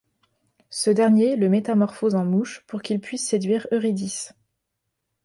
Ce dernier le métamorphose en mouche pour qu'il puisse séduire Eurydice.